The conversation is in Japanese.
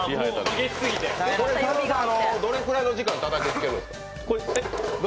これ、どのくらいの時間たたきつけるんですか？